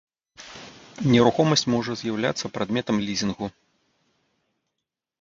Нерухомасць можа з'яўляцца прадметам лізінгу.